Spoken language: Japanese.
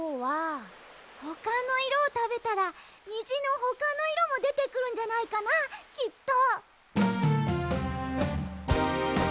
ほかのいろをたべたらにじのほかのいろもでてくるんじゃないかなきっと。